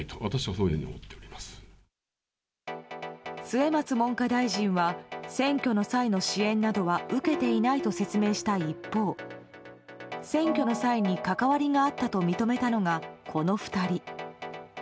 末松文科大臣は選挙の際の支援などは受けていないと説明した一方選挙の際に関わりがあったと認めたのが、この２人。